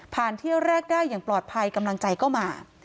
เที่ยวแรกได้อย่างปลอดภัยกำลังใจก็มา